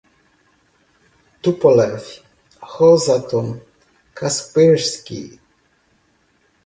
Tupolev, Rosatom, Kaspersky